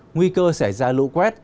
nguy cơ sẽ ra lũ quét